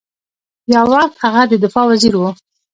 یو وخت هغه د دفاع وزیر ؤ